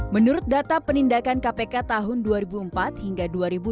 menurut data penindakan kpk tahun dua ribu empat hingga dua ribu dua puluh